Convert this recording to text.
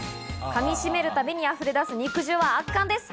噛みしめるたびに溢れ出す肉汁は圧巻です。